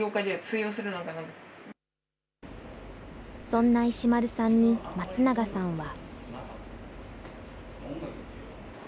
そんな石丸さんに、松永さんは。